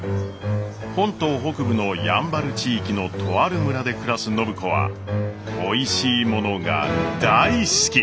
本島北部のやんばる地域のとある村で暮らす暢子はおいしいものが大好き。